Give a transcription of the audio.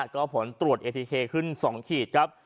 ก็ผลตรวจเอทีเคขึ้น๒ขีดครับ